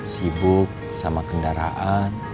sibuk sama kendaraan